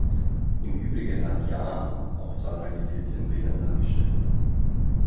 Im Übrigen hat Jahn auch zahlreiche Pilze in Bildern dargestellt.